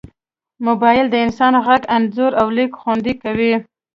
موبایل د انسان غږ، انځور، او لیک خوندي کوي.